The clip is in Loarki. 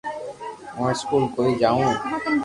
ھون اسڪول ڪوئي جاو